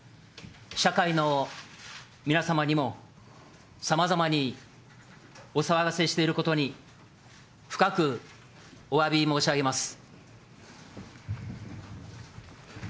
社会の皆様にも、さまざまにお騒がせしていることに、深くおわび申し上げます。